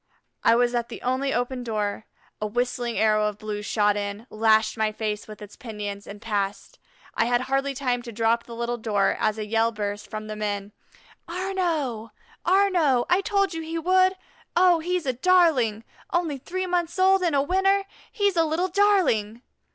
I was at the only open door. A whistling arrow of blue shot in, lashed my face with its pinions, and passed. I had hardly time to drop the little door, as a yell burst from the men, "Arnaux! Arnaux! I told you he would. Oh, he's a darling; only three months old and a winner he's a little darling!"